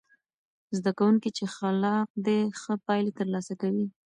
زده کوونکي چې خلاق دي، ښه پایلې ترلاسه کوي.